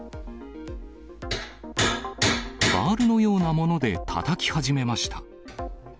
バールのようなものでたたき始めました。